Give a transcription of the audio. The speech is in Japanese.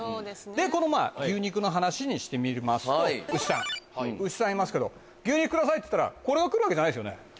このまあ牛肉の話にしてみますと牛さん牛さんいますけど牛肉くださいって言ったらこれが来るわけじゃないですよね。